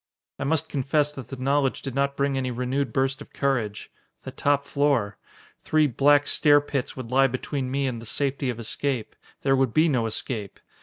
I must confess that the knowledge did not bring any renewed burst of courage! The top floor! Three black stair pits would lie between me and the safety of escape. There would be no escape!